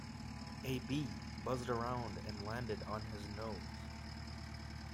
A bee buzzed around and landed on his nose.